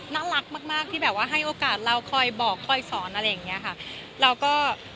น่ารักมากที่แบบว่าให้โอกาสเราคอยบอกคอยสอนอะไรอย่างนี้ค่ะ